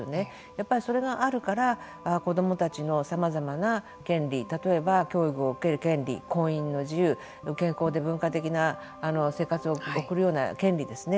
やっぱりそれがあるから子どもたちのさまざまな権利例えば、教育を受ける権利婚姻の自由健康で文化的な最低限度の生活を送る権利ですよね